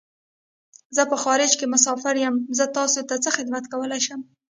زه په خارج کی مسافر یم . زه تاسو څه خدمت کولای شم